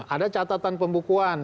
ada catatan pembukuan